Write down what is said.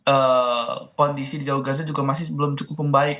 dan memang kondisi di jawa gaza juga masih belum cukup membaik